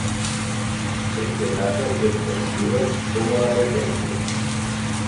Este brazo es conocido como "La Presencia.